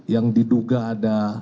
yang diduga ada